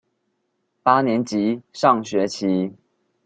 八年級上學期